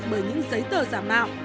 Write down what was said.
bởi những giấy tờ giả mạo